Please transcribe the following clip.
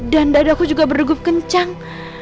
dan dadaku juga berdegup kencang